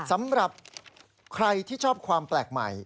สำหรับใครที่ชอบความแปลกใหม่